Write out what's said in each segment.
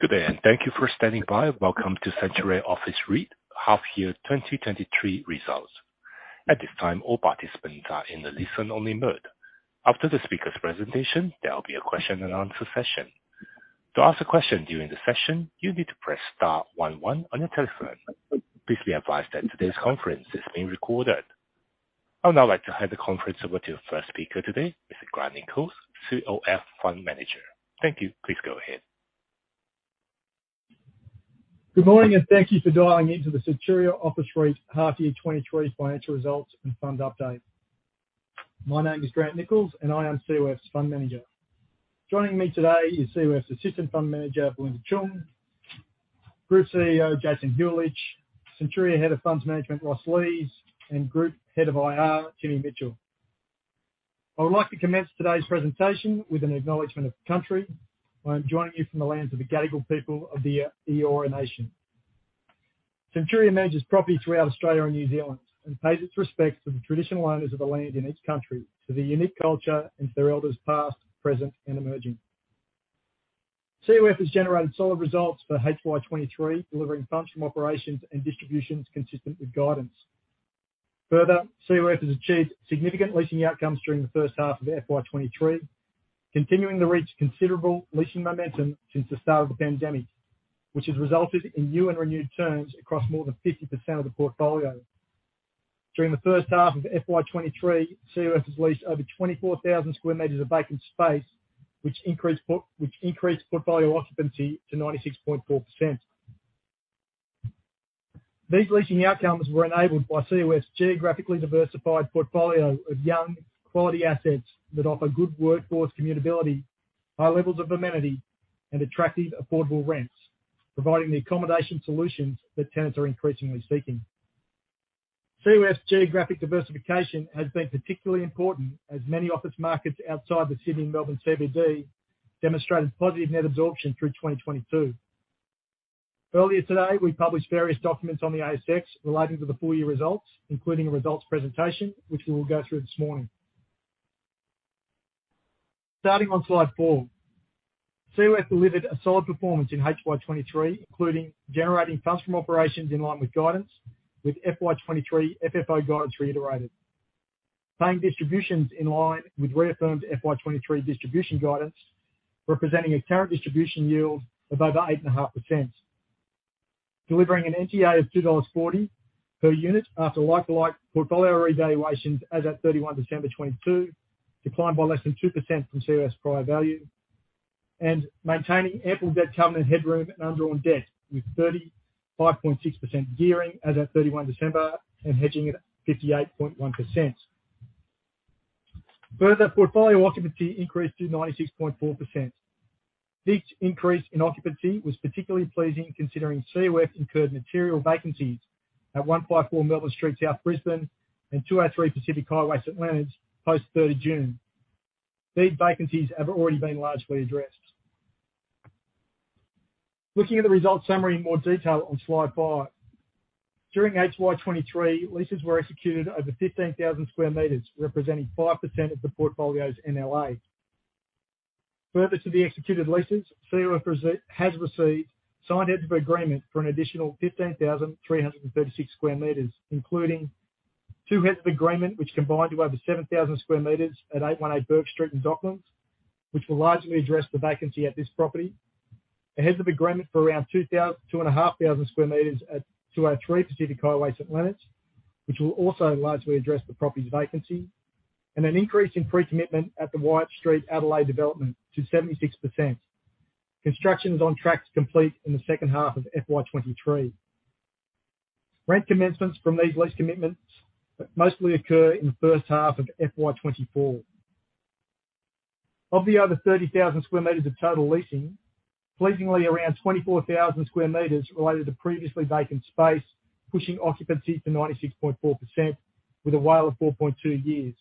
Good day, and thank you for standing by. Welcome to Centuria Office REIT Half Year 2023 Results. At this time, all participants are in a listen only mode. After the speaker's presentation, there will be a question and answer session. To ask a question during the session, you need to press star one one on your telephone. Please be advised that today's conference is being recorded. I would now like to hand the conference over to your first speaker today, Mr. Grant Nichols, COF Fund Manager. Thank you. Please go ahead. Good morning, and thank you for dialing into the Centuria Office REIT Half Year 2023 Financial Results and Fund Update. My name is Grant Nichols, and I am COF's Fund Manager. Joining me today is COF's Assistant Fund Manager, Belinda Cheung; Group CEO, Jason Huljich; Centuria Head of Funds Management, Ross Lees; and Group Head of IR, Tim Mitchell. I would like to commence today's presentation with an acknowledgment of country, where I'm joining you from the lands of the Gadigal people of the Eora Nation. Centuria manages property throughout Australia and New Zealand and pays its respects to the traditional owners of the land in each country, to their unique culture, and to their elders past, present, and emerging. COF has generated solid results for FY23, delivering funds from operations and distributions consistent with guidance. COF has achieved significant leasing outcomes during the first half of FY 23, continuing to reach considerable leasing momentum since the start of the pandemic, which has resulted in new and renewed terms across more than 50% of the portfolio. During the first half of FY 23, COF has leased over 24,000 square meters of vacant space, which increased portfolio occupancy to 96.4%. These leasing outcomes were enabled by COF's geographically diversified portfolio of young quality assets that offer good workforce commutability, high levels of amenity, and attractive, affordable rents, providing the accommodation solutions that tenants are increasingly seeking. COF's geographic diversification has been particularly important as many office markets outside the Sydney and Melbourne CBD demonstrated positive net absorption through 2022. Earlier today, we published various documents on the ASX relating to the full year results, including a results presentation, which we will go through this morning. Starting on slide 4. COF delivered a solid performance in HY 2023, including generating funds from operations in line with guidance, with FY 2023 FFO guidance reiterated. Paying distributions in line with reaffirmed FY 2023 distribution guidance, representing a current distribution yield of over 8.5%. Delivering an NTA of 2.40 dollars per unit after like-to-like portfolio revaluations as at 31 December 2022, declined by less than 2% from COF's prior value, and maintaining ample debt covenant headroom and undrawn debt, with 35.6% gearing as at 31 December and hedging it at 58.1%. Further, portfolio occupancy increased to 96.4%. Each increase in occupancy was particularly pleasing, considering COF incurred material vacancies at 154 Melbourne Street, South Brisbane and 203 Pacific Highway, St Leonards, post third June. These vacancies have already been largely addressed. Looking at the results summary in more detail on slide 5. During HY 2023, leases were executed over 15,000 square meters, representing 5% of the portfolio's NLA. Further to the executed leases, COF has received signed heads of agreement for an additional 15,336 square meters, including two heads of agreement which combined to over 7,000 square meters at 818 Bourke Street in Docklands, which will largely address the vacancy at this property. The heads of agreement for around 2,500 square meters at 203 Pacific Highway, St Leonards, which will also largely address the property's vacancy. An increase in pre-commitment at the Wyatt Street Adelaide development to 76%. Construction is on track to complete in the second half of FY 2023. Rent commencements from these lease commitments mostly occur in the first half of FY 2024. Of the other 30,000 square meters of total leasing, pleasingly around 24,000 square meters related to previously vacant space, pushing occupancy to 96.4% with a WALE of 4.2 years.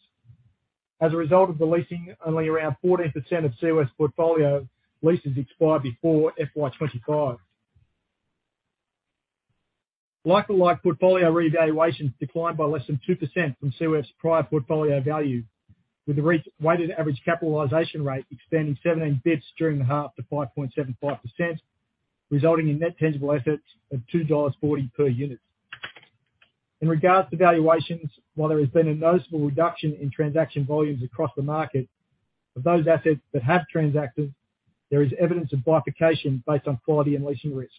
As a result of the leasing, only around 14% of COF's portfolio leases expire before FY 2025. Like for like, portfolio revaluations declined by less than 2% from COF's prior portfolio value, with the re-weighted average capitalization rate extending 17 bits during the half to 5.75%, resulting in net tangible assets of 2.40 dollars per unit. In regards to valuations, while there has been a noticeable reduction in transaction volumes across the market, of those assets that have transacted, there is evidence of bifurcation based on quality and leasing risk.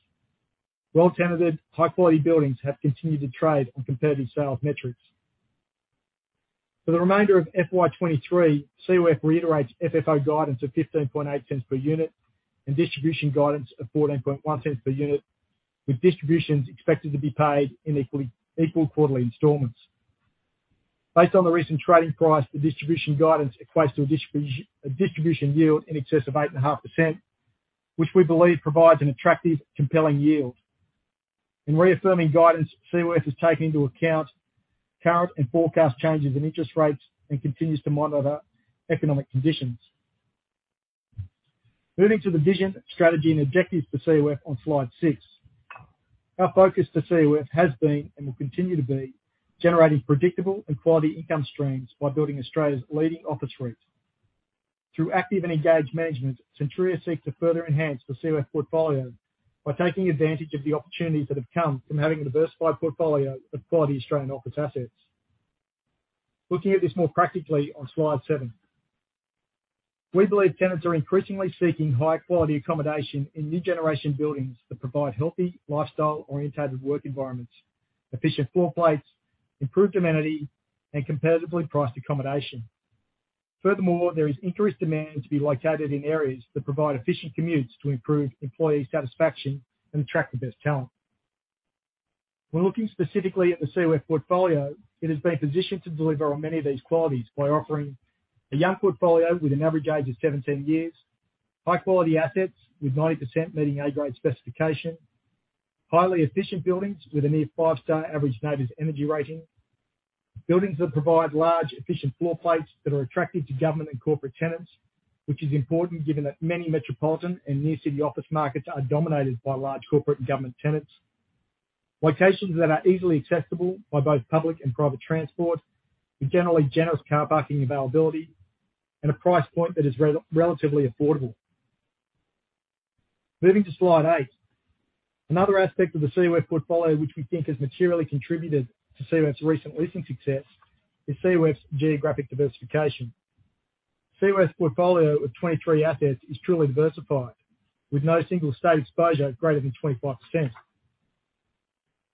Well-tenanted, high quality buildings have continued to trade on competitive sales metrics. For the remainder of FY 2023, COF reiterates FFO guidance of 0.158 per unit and distribution guidance of 0.141 per unit, with distributions expected to be paid in equal quarterly installments. Based on the recent trading price, the distribution guidance equates to a distribution yield in excess of 8.5%, which we believe provides an attractive compelling yield. In reaffirming guidance, COF has taken into account current and forecast changes in interest rates and continues to monitor economic conditions. Moving to the vision, strategy, and objectives for COF on slide 6. Our focus to COF has been, and will continue to be, generating predictable and quality income streams by building Australia's leading office REIT. Through active and engaged management, Centuria seeks to further enhance the COF portfolio by taking advantage of the opportunities that have come from having a diversified portfolio of quality Australian office assets. Looking at this more practically on slide 7. We believe tenants are increasingly seeking high-quality accommodation in new generation buildings that provide healthy lifestyle-orientated work environments, efficient floor plates, improved amenity, and competitively priced accommodation. There is increased demand to be located in areas that provide efficient commutes to improve employee satisfaction and attract the best talent. When looking specifically at the COF portfolio, it has been positioned to deliver on many of these qualities by offering a young portfolio with an average age of 17 years, high-quality assets with 90% meeting A-grade specification, highly efficient buildings with a near 5-star average NABERS energy rating, buildings that provide large efficient floor plates that are attractive to government and corporate tenants, which is important given that many metropolitan and near city office markets are dominated by large corporate and government tenants. Locations that are easily accessible by both public and private transport, with generally generous car parking availability and a price point that is relatively affordable. Moving to slide 8. Another aspect of the COF portfolio which we think has materially contributed toCOF 's recent leasing success is COF's geographic diversification. COF's portfolio of 23 assets is truly diversified, with no single state exposure greater than 25%.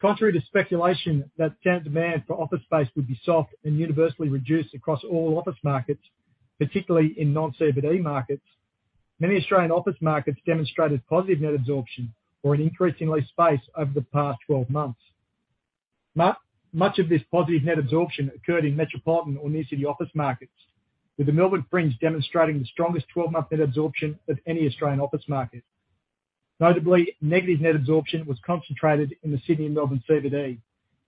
Contrary to speculation that tenant demand for office space would be soft and universally reduced across all office markets, particularly in non-CBD markets, many Australian office markets demonstrated positive net absorption or an increase in leased space over the past 12 months. Much of this positive net absorption occurred in metropolitan or near city office markets, with the Melbourne fringe demonstrating the strongest 12-month net absorption of any Australian office market. Notably, negative net absorption was concentrated in the Sydney and Melbourne CBD,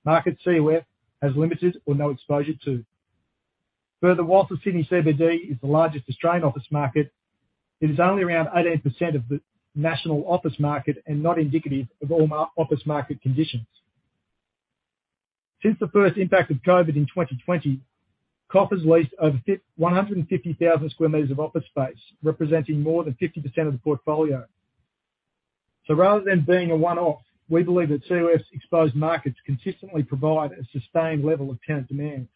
markets COF has limited or no exposure to. Whilst the Sydney CBD is the largest Australian office market, it is only around 18% of the national office market and not indicative of all office market conditions. Since the first impact of COVID in 2020, COF has leased over 150,000 square meters of office space, representing more than 50% of the portfolio. Rather than being a one-off, we believe that COF's exposed markets consistently provide a sustained level of tenant demand.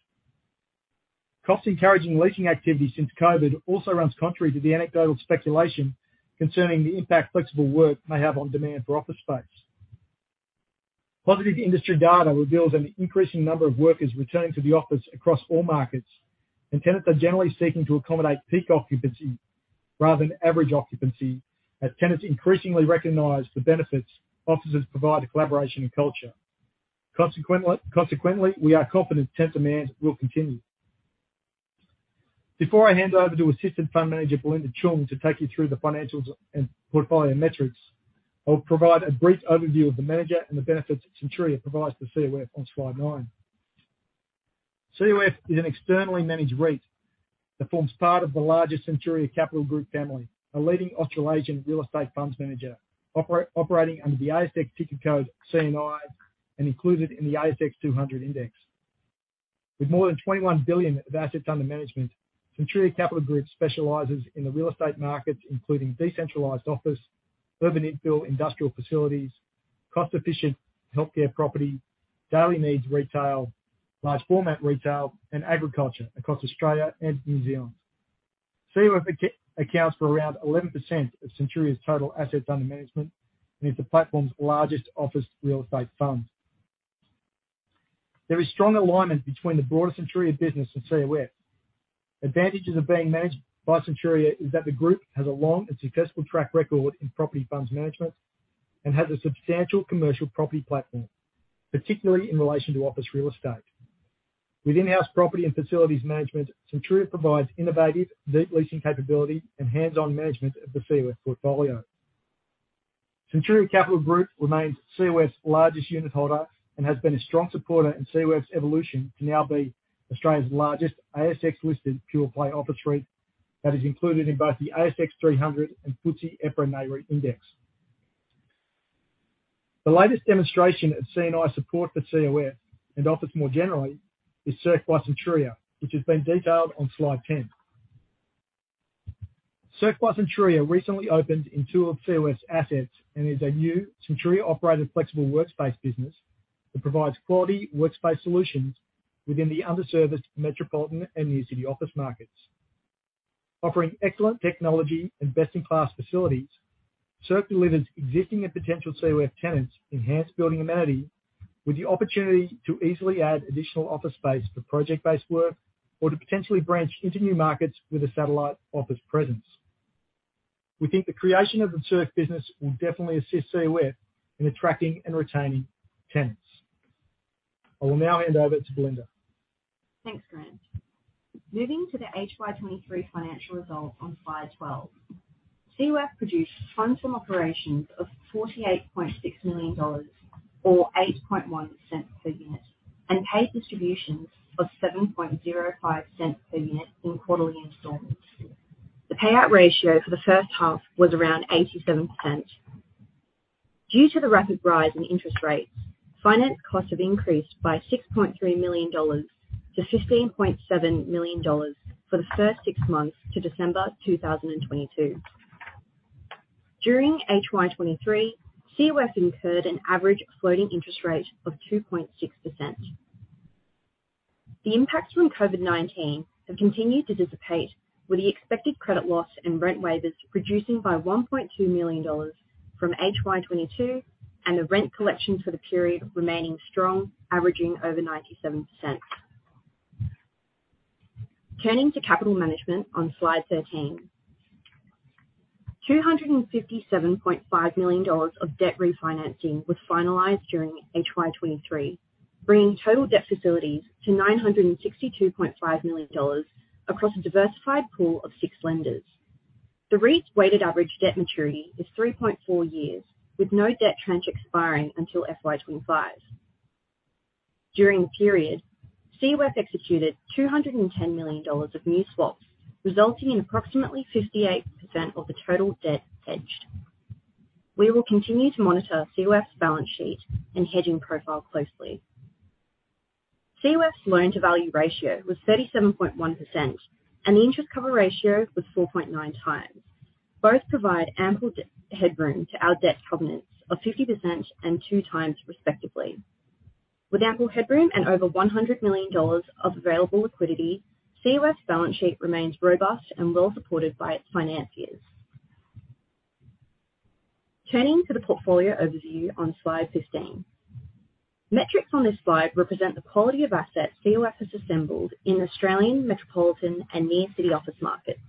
Cost encouraging leasing activity since COVID also runs contrary to the anecdotal speculation concerning the impact flexible work may have on demand for office space. Positive industry data reveals an increasing number of workers returning to the office across all markets, tenants are generally seeking to accommodate peak occupancy rather than average occupancy, as tenants increasingly recognize the benefits offices provide to collaboration and culture. Consequently, we are confident tenant demand will continue. Before I hand over to Assistant Fund Manager, Belinda Cheung, to take you through the financials and portfolio metrics, I'll provide a brief overview of the manager and the benefits Centuria provides to CFW on slide nine. CFW is an externally managed REIT that forms part of the larger Centuria Capital Group family, a leading Australasian real estate funds manager operating under the ASX ticker code CNI and included in the ASX 200 index. With more than 21 billion of assets under management, Centuria Capital Group specializes in the real estate markets, including decentralized office, urban infill, industrial facilities, cost-efficient healthcare property, daily needs retail, large format retail, and agriculture across Australia and New Zealand. CFW accounts for around 11% of Centuria's total assets under management and is the platform's largest office real estate fund. There is strong alignment between the broader Centuria business and CFW. Advantages of being managed by Centuria is that the group has a long and successful track record in property funds management and has a substantial commercial property platform, particularly in relation to office real estate. With in-house property and facilities management, Centuria provides innovative, deep leasing capability and hands-on management of the CFW portfolio. Centuria Capital Group remains CFW's largest unitholder and has been a strong supporter in CFW's evolution to now be Australia's largest ASX-listed pure play office REIT that is included in both the ASX 300 and FTSE EPRA Nareit index. The latest demonstration of CNI support for CFW, and office more generally, is SERC by Centuria, which has been detailed on slide 10. SERC by Centuria recently opened in 2 of CFW's assets and is a new Centuria-operated flexible workspace business that provides quality workspace solutions within the underserviced metropolitan and near city office markets. Offering excellent technology and best-in-class facilities, SERC delivers existing and potential COF tenants enhanced building amenity with the opportunity to easily add additional office space for project-based work or to potentially branch into new markets with a satellite office presence. We think the creation of the SERC business will definitely assist COF in attracting and retaining tenants. I will now hand over to Belinda. Thanks, Grant. Moving to the FY 2023 financial results on slide 12. COF produced funds from operations of $48.6 million, or $0.081 per unit, and paid distributions of $0.0705 per unit in quarterly installments. The payout ratio for the first half was around 87%. Due to the rapid rise in interest rates, finance costs have increased by $6.3 million to $15.7 million for the first 6 months to December 2022. During FY 2023, COF incurred an average floating interest rate of 2.6%. The impacts from COVID-19 have continued to dissipate, with the expected credit loss and rent waivers reducing by $1.2 million from FY 2022, and the rent collection for the period remaining strong, averaging over 97%. Turning to capital management on slide 13. 257.5 million dollars of debt refinancing was finalized during FY23, bringing total debt facilities to 962.5 million dollars across a diversified pool of 6 lenders. The REIT's weighted average debt maturity is 3.4 years, with no debt tranche expiring until FY25. During the period, COF executed 210 million dollars of new swaps, resulting in approximately 58% of the total debt hedged. We will continue to monitor COF's balance sheet and hedging profile closely. COF's loan-to-value ratio was 37.1%, and the interest cover ratio was 4.9 times. Both provide ample headroom to our debt covenants of 50% and 2 times respectively. With ample headroom and over 100 million dollars of available liquidity, COF's balance sheet remains robust and well supported by its financiers. Turning to the portfolio overview on slide 15. Metrics on this slide represent the quality of assets COF has assembled in Australian metropolitan and near city office markets.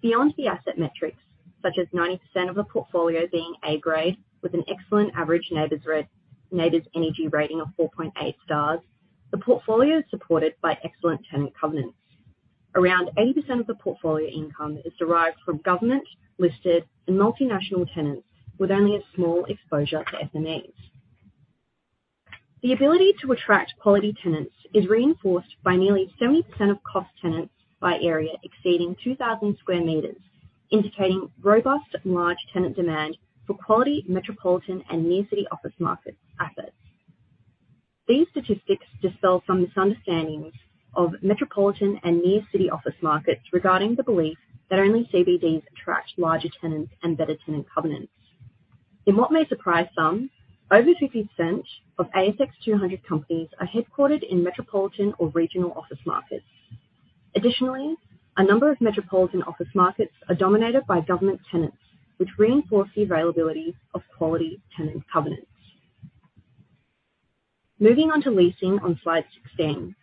Beyond the asset metrics, such as 90% of the portfolio being A-grade with an excellent average NABERS energy rating of 4.8 stars, the portfolio is supported by excellent tenant covenants. Around 80% of the portfolio income is derived from government, listed, and multinational tenants, with only a small exposure to SMEs. The ability to attract quality tenants is reinforced by nearly 70% of COF tenants by area exceeding 2,000 square meters, indicating robust and large tenant demand for quality metropolitan and near city office market assets. These statistics dispel some misunderstandings of metropolitan and near city office markets regarding the belief that only CBDs attract larger tenants and better tenant covenants. In what may surprise some, over 50% of ASX 200 companies are headquartered in metropolitan or regional office markets. Additionally, a number of metropolitan office markets are dominated by government tenants, which reinforce the availability of quality tenant covenants. Moving on to leasing on slide 16.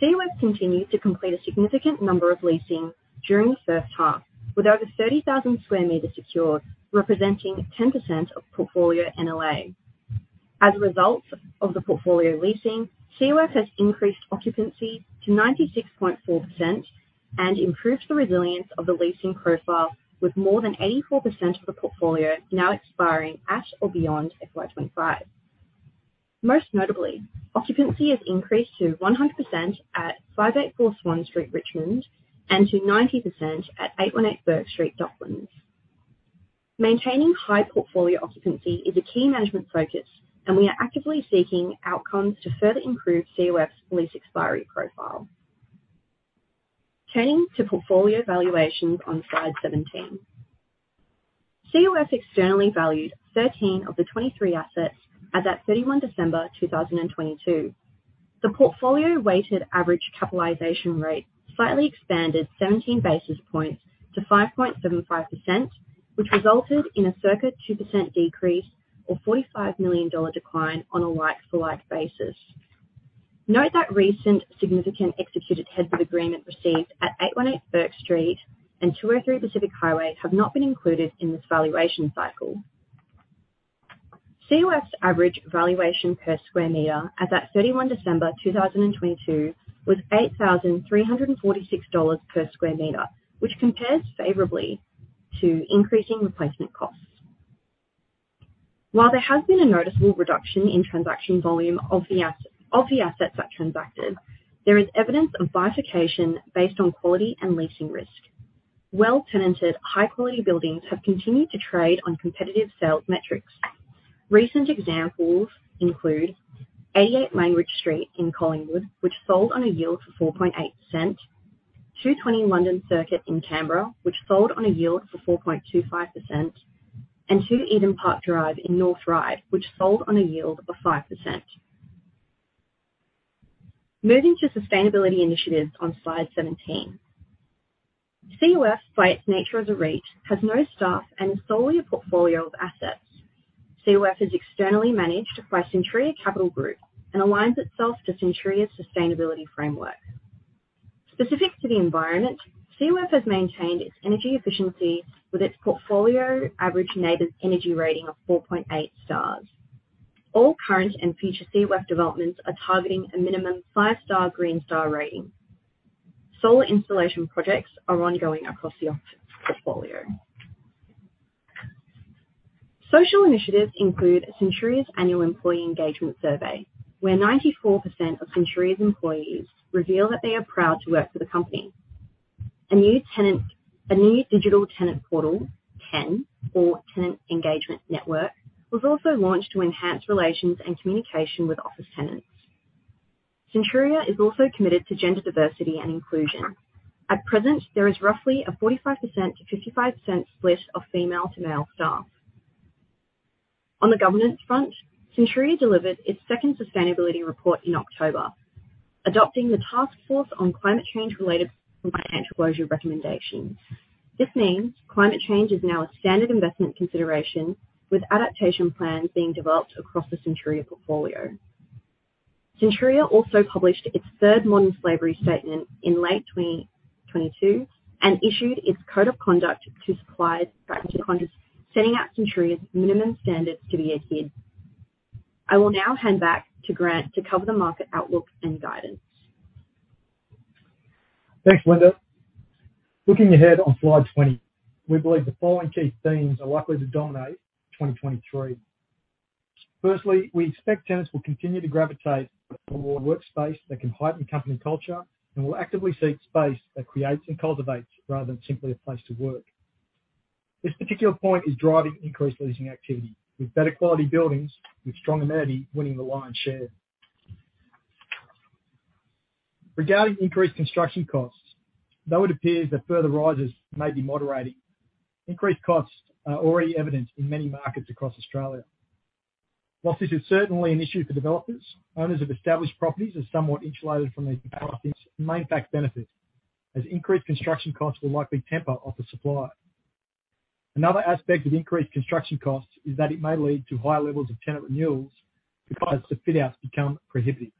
COF continued to complete a significant number of leasing during the first half, with over 30,000 square meters secured, representing 10% of portfolio NLA. As a result of the portfolio leasing, COF has increased occupancy to 96.4% and improved the resilience of the leasing profile, with more than 84% of the portfolio now expiring at or beyond FY 2025. Most notably, occupancy has increased to 100% at 584 Swan Street, Richmond, and to 90% at 818 Bourke Street, Docklands. Maintaining high portfolio occupancy is a key management focus. We are actively seeking outcomes to further improve COF's lease expiry profile. Turning to portfolio valuations on slide 17. COF externally valued 13 of the 23 assets as at 31 December 2022. The portfolio weighted average capitalization rate slightly expanded 17 basis points to 5.75%, which resulted in a circa 2% decrease or 45 million dollar decline on a like-for-like basis. Note that recent significant executed head of agreement received at 818 Bourke Street and 203 Pacific Highway have not been included in this valuation cycle. COF's average valuation per square meter as at 31 December 2022 was AUD 8,346 per square meter, which compares favorably to increasing replacement costs. While there has been a noticeable reduction in transaction volume of the assets that transacted, there is evidence of bifurcation based on quality and leasing risk. Well-tenanted, high-quality buildings have continued to trade on competitive sales metrics. Recent examples include 88 Main Ridge Street in Collingwood, which sold on a yield for 4.8%, 220 London Circuit in Canberra, which sold on a yield for 4.25%, and 2 Eden Park Drive in North Ryde, which sold on a yield of 5%. Moving to sustainability initiatives on slide 17. COF, by its nature as a REIT, has no staff and is solely a portfolio of assets. COF is externally managed by Centuria Capital Group and aligns itself to Centuria's sustainability framework. Specific to the environment, COF has maintained its energy efficiency with its portfolio average NABERS energy rating of 4.8 stars. All current and future COF developments are targeting a minimum 5-star Green Star rating. Solar installation projects are ongoing across the office portfolio. Social initiatives include Centuria's annual employee engagement survey, where 94% of Centuria's employees reveal that they are proud to work for the company. A new digital tenant portal, TEN, or Tenant Engagement Network, was also launched to enhance relations and communication with office tenants. Centuria is also committed to gender diversity and inclusion. At present, there is roughly a 45%-55% split of female to male staff. On the governance front, Centuria delivered its second sustainability report in October, adopting the Task Force on Climate-related Financial Disclosures recommendations. This means climate change is now a standard investment consideration, with adaptation plans being developed across the Centuria portfolio. Centuria also published its third Modern Slavery Statement in late 2022, and issued its Code of Conduct to suppliers, setting out Centuria's minimum standards to be adhered. I will now hand back to Grant to cover the market outlook and guidance. Thanks, Linda. Looking ahead on slide 20, we believe the following key themes are likely to dominate 2023. We expect tenants will continue to gravitate toward workspace that can heighten company culture and will actively seek space that creates and cultivates rather than simply a place to work. This particular point is driving increased leasing activity with better quality buildings with strong amenity winning the lion's share. Regarding increased construction costs, though it appears that further rises may be moderating, increased costs are already evident in many markets across Australia. This is certainly an issue for developers, owners of established properties are somewhat insulated from these costs and may, in fact, benefit as increased construction costs will likely temper office supply. Another aspect of increased construction costs is that it may lead to higher levels of tenant renewals because the fit outs become prohibitive.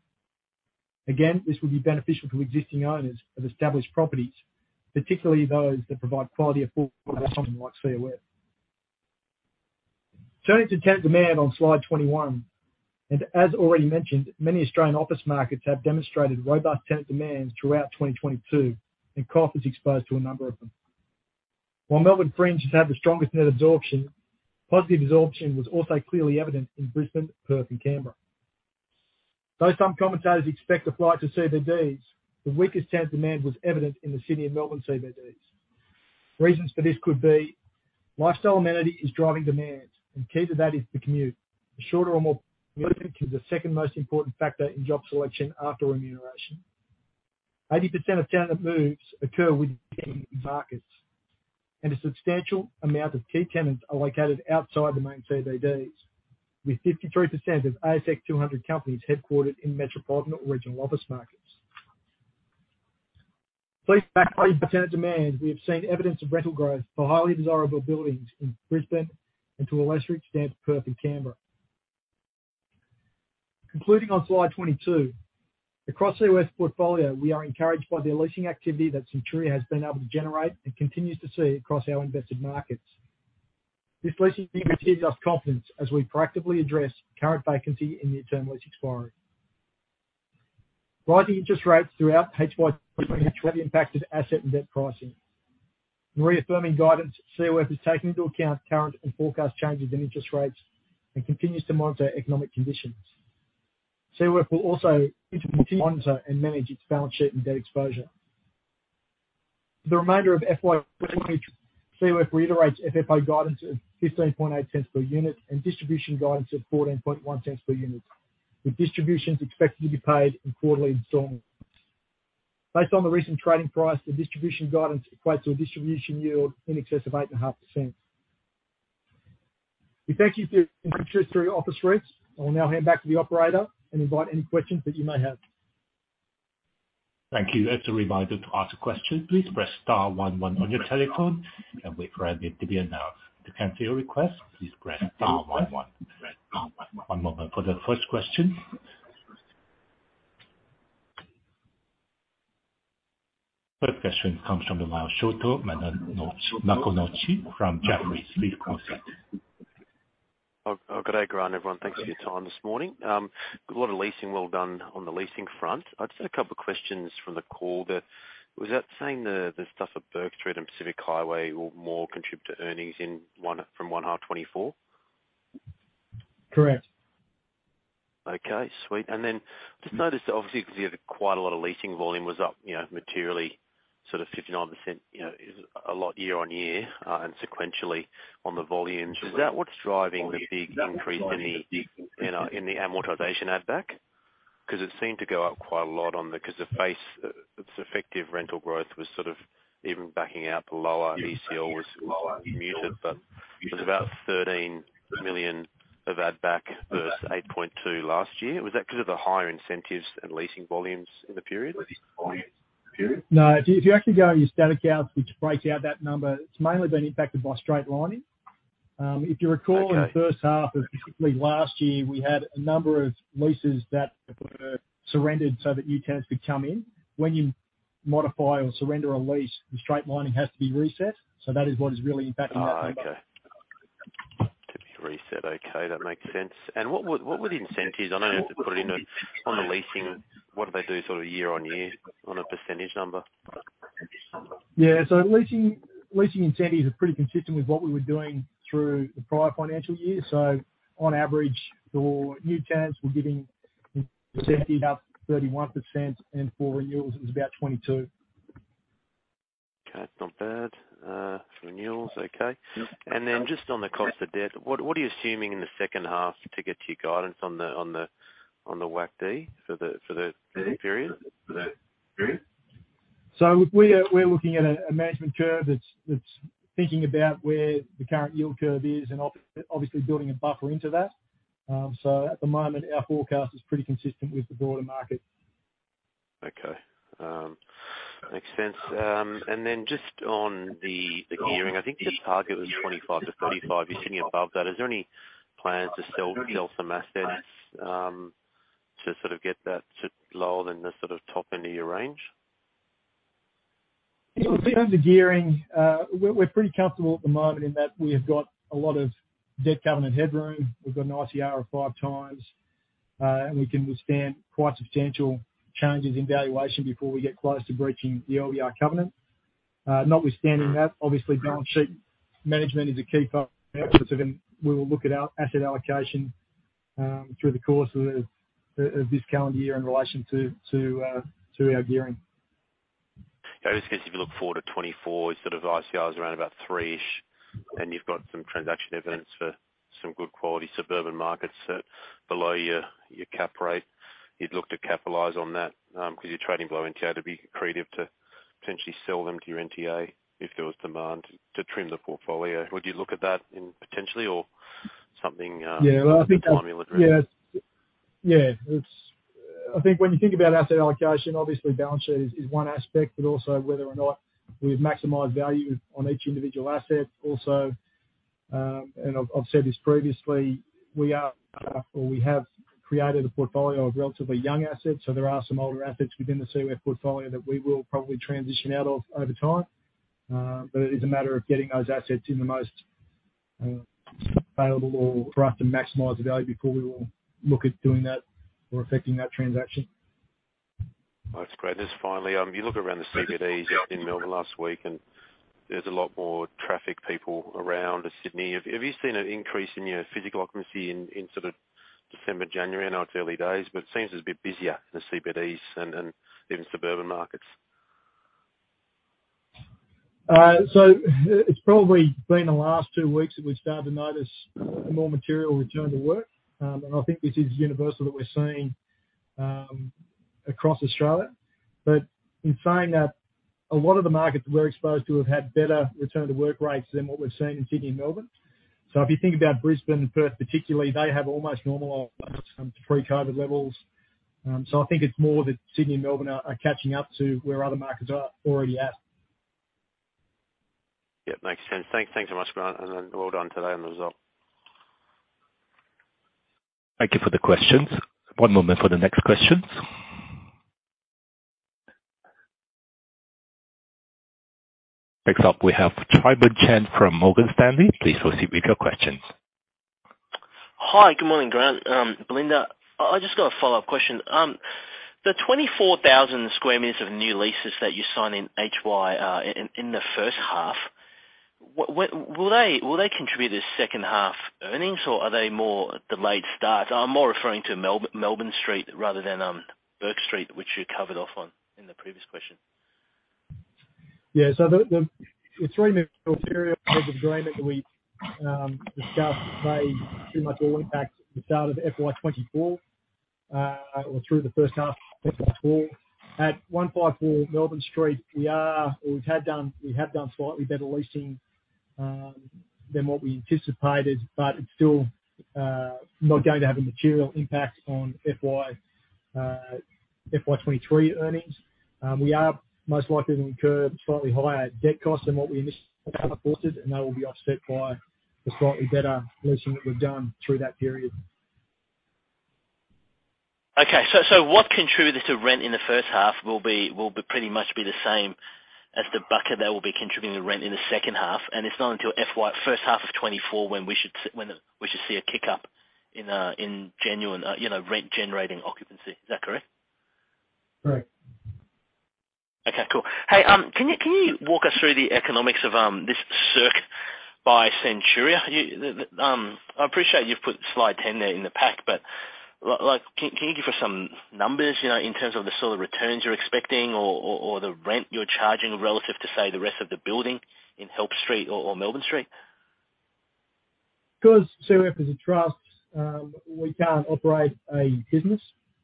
This will be beneficial to existing owners of established properties, particularly those that provide quality of Something like Seaworth. Turning to tenant demand on slide 21, as already mentioned, many Australian office markets have demonstrated robust tenant demand throughout 2022, COF is exposed to a number of them. While Melbourne Fringe has had the strongest net absorption, positive absorption was also clearly evident in Brisbane, Perth, and Canberra. Some commentators expect the flight to CBDs, the weakest tenant demand was evident in the City and Melbourne CBDs. Reasons for this could be lifestyle amenity is driving demand, key to that is the commute. The shorter or more is the second most important factor in job selection after remuneration. 80% of tenant moves occur within markets, and a substantial amount of key tenants are located outside the main CBDs, with 53% of ASX 200 companies headquartered in metropolitan or regional office markets. Please back tenant demand, we have seen evidence of rental growth for highly desirable buildings in Brisbane and to a lesser extent, Perth and Canberra. Concluding on slide 22, across the US portfolio, we are encouraged by the leasing activity that Centuria has been able to generate and continues to see across our invested markets. This leasing gives us confidence as we proactively address current vacancy in the term lease expiry. Rising interest rates throughout FY 2023 have impacted asset and debt pricing. In reaffirming guidance, Centuria is taking into account current and forecast changes in interest rates and continues to monitor economic conditions. Centuria Office REIT will also continue to monitor and manage its balance sheet and debt exposure. For the remainder of FY23, Centuria Office REIT reiterates FFO guidance of 0.158 per unit and distribution guidance of 0.141 per unit, with distributions expected to be paid in quarterly installments. Based on the recent trading price, the distribution guidance equates to a distribution yield in excess of 8.5%. We thank you for through office rates. I will now hand back to the operator and invite any questions that you may have. Thank you. As a reminder to ask a question, please press star one one on your telephone and wait for admission to be announced. To cancel your request, please press star one one. One moment for the first question. First question comes from the Miles Shoto, Madame Noc-Maconochi from Jefferies. Please proceed. Oh, good day, Grant, everyone. Thanks for your time this morning. Got a lot of leasing well done on the leasing front. I just had a couple of questions from the call. Was that saying the stuff at Burke Street and Pacific Highway will more contribute to earnings in from one half 2024? Correct. Okay, sweet. Just noticed, obviously, because you have quite a lot of leasing volume was up, you know, materially, sort of 59%, you know, is a lot year-on-year, and sequentially on the volumes. Is that what's driving the big increase in the amortization add back? Because it seemed to go up quite a lot on the because the base, its effective rental growth was sort of even backing out the lower ECL was muted. It was about 13 million of add back versus 8.2 million last year. Was that because of the higher incentives and leasing volumes in the period? No. If you actually go in your static counts, which breaks out that number, it's mainly been impacted by straight-lining. Okay. In the first half of particularly last year, we had a number of leases that were surrendered so that new tenants could come in. When you modify or surrender a lease, the straight-lining has to be reset. That is what is really impacting that number. Okay. To be reset. Okay, that makes sense. What would, what would the incentives, I know they have to put in on the leasing, what do they do sort of year on year on a percentage number? Yeah. Leasing, leasing incentives are pretty consistent with what we were doing through the prior financial year. On average for new tenants, we're giving up 31%, and for renewals it was about 22%. Okay. Not bad, for renewals. Okay. Yep. Just on the cost of debt, what are you assuming in the second half to get to your guidance on the WACD for the period? We're looking at a management curve that's thinking about where the current yield curve is and obviously building a buffer into that. At the moment, our forecast is pretty consistent with the broader market. Okay. Makes sense. Then just on the gearing, I think the target was 25%-35%. You're sitting above that. Is there any plans to sell some assets, to sort of get that to lower than the sort of top end of your range? In terms of gearing, we're pretty comfortable at the moment in that we have got a lot of debt covenant headroom. We've got an ICR of 5 times. We can withstand quite substantial changes in valuation before we get close to breaching the LVR covenant. Notwithstanding that, obviously balance sheet management is a key focus, and we will look at our asset allocation through the course of this calendar year in relation to our gearing. I was gonna say, if you look forward to 2024, sort of ICR is around about 3-ish, and you've got some transaction evidence for some good quality suburban markets at below your cap rate. You'd look to capitalize on that, 'cause you're trading below NTA, to be creative, to potentially sell them to your NTA if there was demand to trim the portfolio. Would you look at that potentially or something more formula driven? Yeah. I think when you think about asset allocation, obviously balance sheet is one aspect, but also whether or not we've maximized value on each individual asset. Also, I've said this previously, we are, or we have created a portfolio of relatively young assets, so there are some older assets within the COF portfolio that we will probably transition out of over time. It is a matter of getting those assets in the most valuable or for us to maximize the value before we will look at doing that or effecting that transaction. That's great. Just finally, you look around the CBDs in Melbourne last week, and there's a lot more traffic, people around Sydney. Have you seen an increase in your physical occupancy in sort of December, January? I know it's early days. It seems it's a bit busier in the CBDs and even suburban markets. It's probably been the last two weeks that we've started to notice a more material return to work. I think this is universal that we're seeing across Australia. In saying that, a lot of the markets we're exposed to have had better return to work rates than what we've seen in Sydney and Melbourne. If you think about Brisbane, Perth particularly, they have almost normalized to pre-COVID levels. I think it's more that Sydney and Melbourne are catching up to where other markets are already at. Yep, makes sense. thanks very much, Grant, and then well done today on the result. Thank you for the questions. One moment for the next questions. Next up, we have Tribhuvan Bhandari from Morgan Stanley. Please proceed with your questions. Hi. Good morning, Grant, Belinda. I just got a follow-up question. The 24,000 square meters of new leases that you signed in HY, in the first half, will they contribute to second half earnings, or are they more delayed starts? I'm more referring to Melbourne Street rather than Bourke Street, which you covered off on in the previous question. The three material parts of the agreement that we discussed today pretty much all impact the start of FY 2024 or through the first half of FY 2024. At 154 Melbourne Street, we have done slightly better leasing than what we anticipated, but it's still not going to have a material impact on FY 2023 earnings. We are most likely to incur slightly higher debt costs than what we initially forecasted, and that will be offset by the slightly better leasing that we've done through that period. Okay. What contributed to rent in the first half will be pretty much be the same as the bucket that will be contributing to rent in the second half, and it's not until FY first half of 2024 when we should see a kick up in genuine, you know, rent generating occupancy. Is that correct? Correct. Okay, cool. Hey, can you walk us through the economics of this SERC by Centuria? I appreciate you've put slide 10 there in the pack, but like, can you give us some numbers, you know, in terms of the sort of returns you're expecting or the rent you're charging relative to, say, the rest of the building in Help Street or Melbourne Street? COF is a trust, we can't operate a business.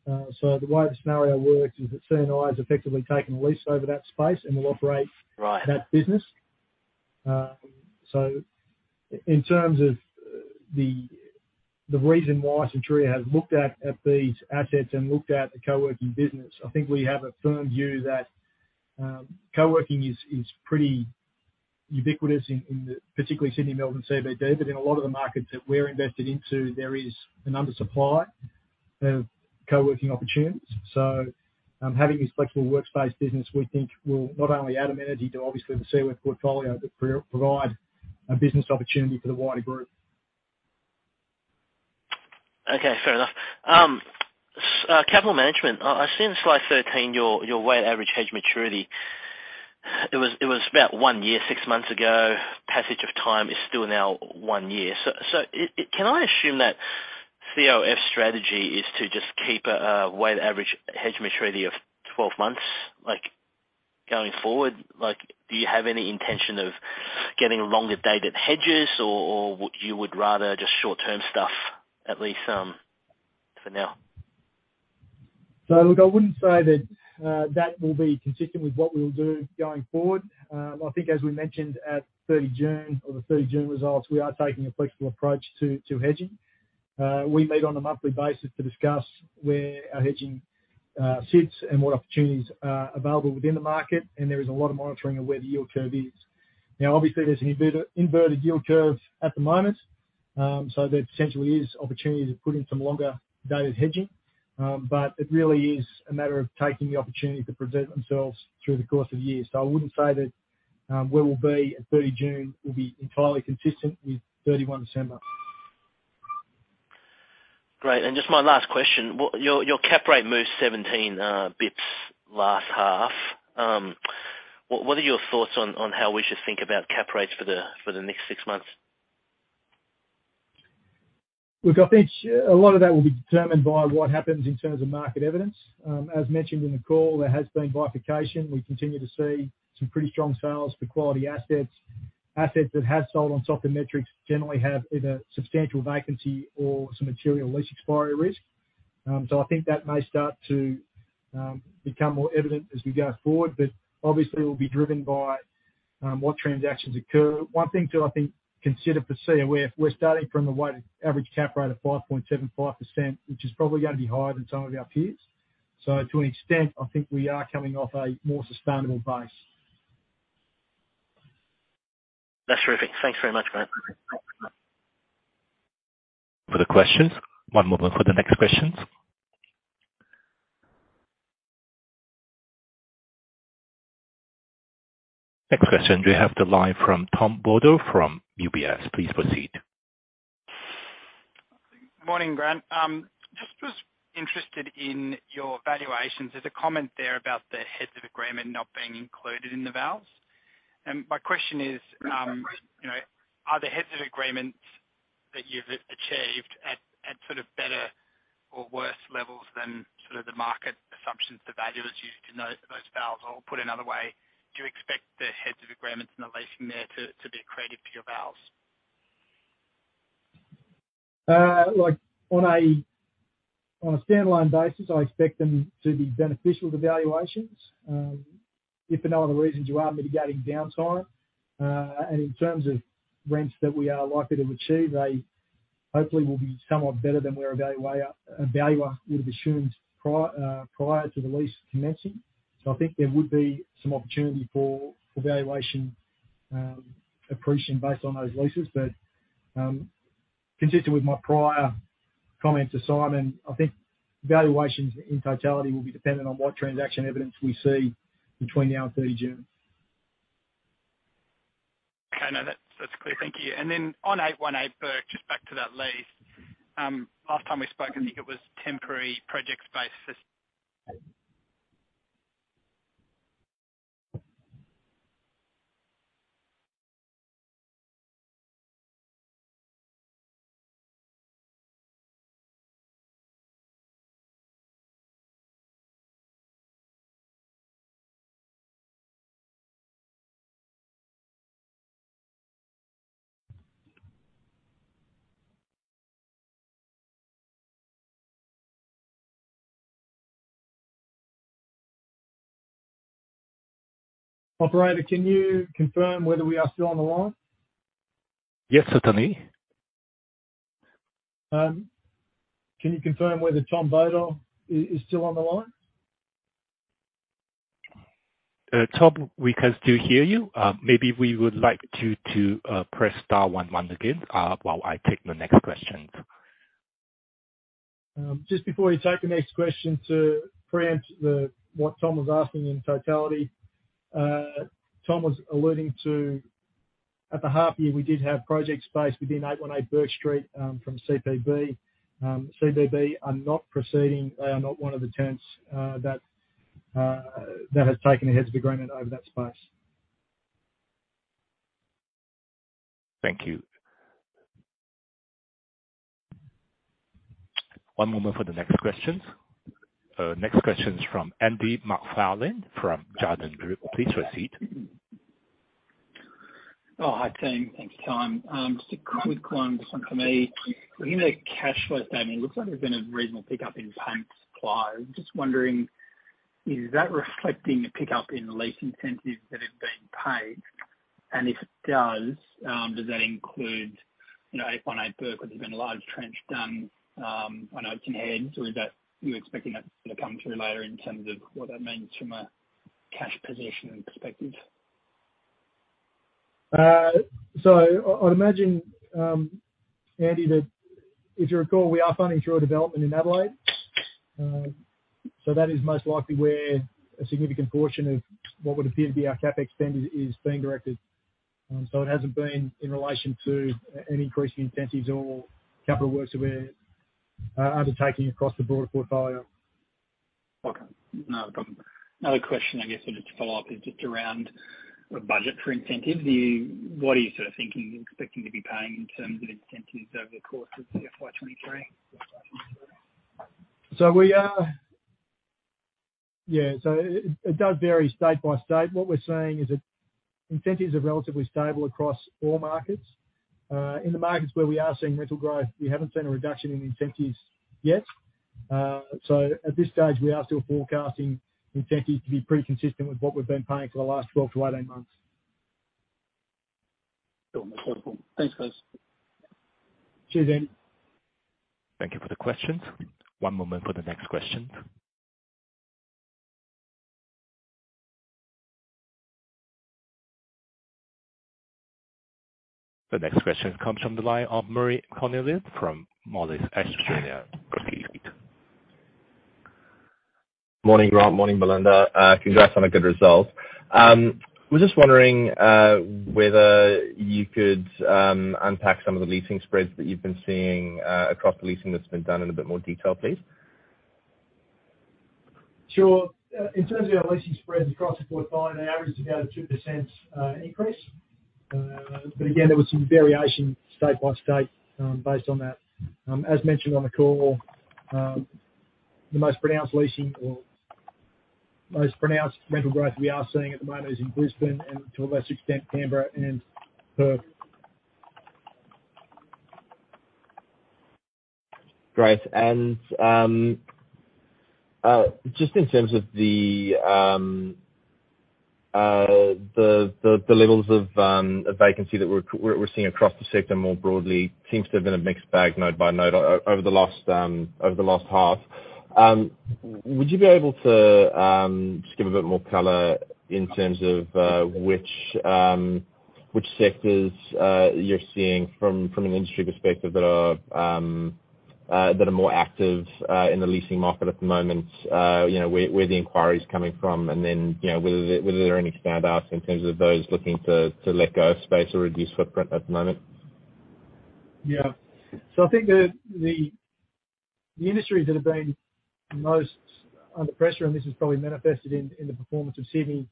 The way the scenario works is that C&I has effectively taken a lease over that space. Right. that business. In terms of the reason why Centuria has looked at these assets and looked at the co-working business, I think we have a firm view that co-working is pretty ubiquitous in the particularly Sydney, Melbourne CBD, but in a lot of the markets that we're invested into, there is an under supply of co-working opportunities. Having this flexible workspace business, we think will not only add amenity to obviously the CF portfolio, but provide a business opportunity for the wider group. Okay, fair enough. Capital management. I've seen in slide 13 your weighted average hedge maturity. It was about 1 year, 6 months ago. Passage of time is still now 1 year. Can I assume that COF strategy is to just keep a weighted average hedge maturity of 12 months going forward? Do you have any intention of getting longer dated hedges? Would you rather just short-term stuff, at least, for now? Look, I wouldn't say that that will be consistent with what we'll do going forward. I think as we mentioned at 30 June or the 30 June results, we are taking a flexible approach to hedging. We meet on a monthly basis to discuss where our hedging sits and what opportunities are available within the market, and there is a lot of monitoring of where the yield curve is. Now, obviously there's an inverted yield curve at the moment, so there potentially is opportunity to put in some longer dated hedging. It really is a matter of taking the opportunity to present themselves through the course of the year. I wouldn't say that where we'll be at 30 June will be entirely consistent with 31 December. Great. Just my last question. Your, your cap rate moved 17 bips last half. What are your thoughts on how we should think about cap rates for the next 6 months? Look, I think a lot of that will be determined by what happens in terms of market evidence. As mentioned in the call, there has been bifurcation. We continue to see some pretty strong sales for quality assets. Assets that have sold on softer metrics generally have either substantial vacancy or some material lease expiry risk. So I think that may start to become more evident as we go forward, but obviously it will be driven by what transactions occur. One thing to, I think, consider for COF, we're starting from the weighted average cap rate of 5.75%, which is probably gonna be higher than some of our peers. To an extent, I think we are coming off a more sustainable base. That's terrific. Thanks very much, Grant. Further questions. One moment for the next questions. Next question we have to live from Tom Bodor from UBS. Please proceed. Morning, Grant. Just was interested in your valuations. There's a comment there about the heads of agreement not being included in the vals. My question is, you know, are the heads of agreements that you've achieved at sort of better or worse levels than sort of the market assumptions, the valuers used in those vals? Or put another way, do you expect the heads of agreements and the leasing there to be accretive to your vals? Like on a standalone basis, I expect them to be beneficial to valuations. If for no other reasons, you are mitigating downtime. In terms of rents that we are likely to achieve, they hopefully will be somewhat better than where a valuer would have assumed prior to the lease commencing. I think there would be some opportunity for valuation appreciation based on those leases. Consistent with my prior comment to Simon, I think valuations in totality will be dependent on what transaction evidence we see between now and 30 June. Okay. No, that's clear. Thank you. Then on 818 Bourke Street, just back to that lease. Last time we spoke, I think it was temporary project space. Operator, can you confirm whether we are still on the line? Yes, certainly. Can you confirm whether Tom Bodor is still on the line? Tom, we can still hear you. Maybe we would like to press star one one again, while I take the next questions. Just before you take the next question to preempt what Tom was asking in totality, Tom was alluding to at the half year, we did have project space within 818 Bourke Street from CPB. CPB are not proceeding. They are not one of the tenants that has taken a heads of agreement over that space. Thank you. One moment for the next questions. Next question is from Andy McFarlane from Jarden. Please proceed. Oh, hi, team. Thanks, Tom. just a quick one, this one for me. Looking at cash flow statement, it looks like there's been a reasonable pickup in payment supply. I'm just wondering, is that reflecting a pickup in lease incentives that have been paid? If it does that include, you know, 818 Bourke, where there's been a large trench done, on Oaks and Heads, or are you expecting that to come through later in terms of what that means from a cash position perspective? I'd imagine, Andy, that if you recall, we are funding through a development in Adelaide. That is most likely where a significant portion of what would appear to be our CapEx spend is being directed. It hasn't been in relation to any increasing incentives or capital works that we're undertaking across the broader portfolio. Okay. No problem. Another question, I guess, just to follow up is just around the budget for incentive. What are you sort of thinking you're expecting to be paying in terms of incentives over the course of FY23? It does vary state by state. What we're seeing is that incentives are relatively stable across all markets. In the markets where we are seeing rental growth, we haven't seen a reduction in incentives yet. At this stage, we are still forecasting incentives to be pretty consistent with what we've been paying for the last 12 to 18 months. Cool. That's helpful. Thanks, guys. Cheers, then. Thank you for the questions. One moment for the next question. The next question comes from the line of Murray Connellan from Moelis Australia. Please lead. Morning, Grant. Morning, Belinda. Congrats on a good result. Was just wondering whether you could unpack some of the leasing spreads that you've been seeing across the leasing that's been done in a bit more detail, please? Sure. In terms of our leasing spreads across the portfolio, the average is about a 2% increase. Again, there was some variation state by state based on that. As mentioned on the call, the most pronounced leasing or most pronounced rental growth we are seeing at the moment is in Brisbane and to a less extent, Canberra and Perth. Great. Just in terms of the levels of vacancy that we're seeing across the sector more broadly seems to have been a mixed bag node by node over the last over the last half. Would you be able to just give a bit more color in terms of which sectors you're seeing from an industry perspective that are more active in the leasing market at the moment, you know, where the inquiry is coming from, and then, you know, whether there are any standouts in terms of those looking to let go of space or reduce footprint at the moment? I think the industries that have been most under pressure, and this is probably manifested in the performance of Sydney,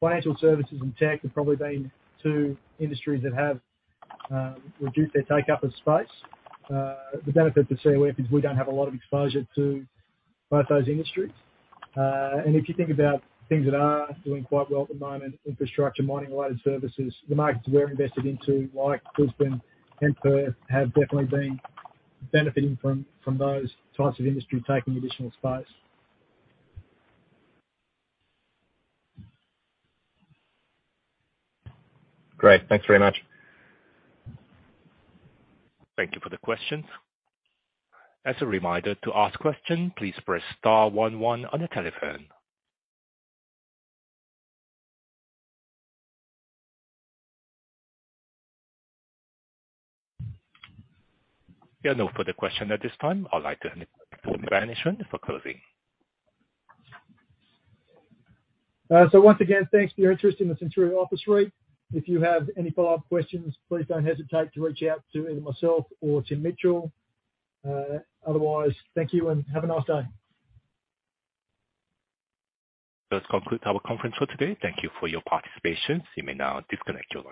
financial services and tech have probably been two industries that have reduced their take-up of space. The benefit for COF is we don't have a lot of exposure to both those industries. If you think about things that are doing quite well at the moment, infrastructure, mining related services, the markets we're invested into, like Brisbane and Perth, have definitely been benefiting from those types of industry taking additional space. Great. Thanks very much. Thank you for the questions. As a reminder, to ask questions, please press star one one on your telephone. There are no further questions at this time. I'd like to hand it back to Grant for closing. Once again, thanks for your interest in the Centuria Office REIT. If you have any follow-up questions, please don't hesitate to reach out to either myself or Tim Mitchell. Otherwise, thank you and have a nice day. This concludes our conference for today. Thank you for your participation. You may now disconnect your line.